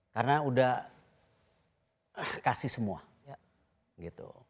karena udah kasih semua gitu